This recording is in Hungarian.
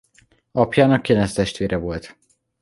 Apjának kilenc testvére volt.